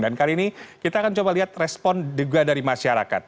dan kali ini kita akan coba lihat respon juga dari masyarakat